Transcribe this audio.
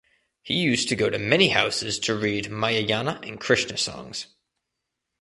He used to go to many houses to read Ramayana and Krishna songs.